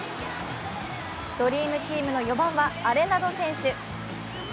ドリームチームの４番はアレナド選手。